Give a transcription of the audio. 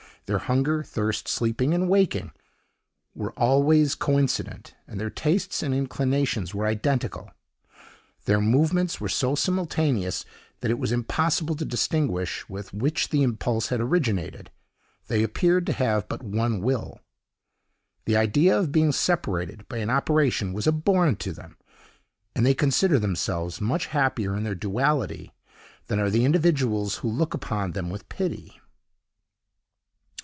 Their hunger, thirst, sleeping, and waking, were alway coincident, and their tastes and inclinations were identical. Their movements were so simultaneous, that it was impossible to distinguish with which the impulse had originated; they appeared to have but one will. The idea of being separated by an operation was abhorrent to them; and they consider themselves much happier in their duality than are the individuals who look upon them with pity."